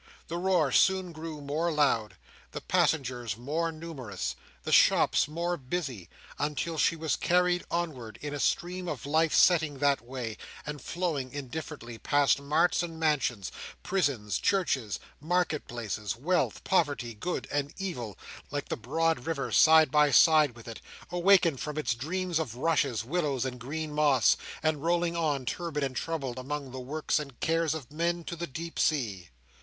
The roar soon grew more loud, the passengers more numerous, the shops more busy, until she was carried onward in a stream of life setting that way, and flowing, indifferently, past marts and mansions, prisons, churches, market places, wealth, poverty, good, and evil, like the broad river side by side with it, awakened from its dreams of rushes, willows, and green moss, and rolling on, turbid and troubled, among the works and cares of men, to the deep sea.